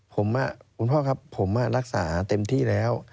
ผมคุณพ่อครับผมรักษาเต็มที่แล้ว